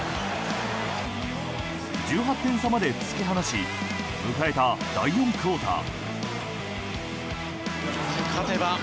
１８点差まで突き放し迎えた第４クオーター。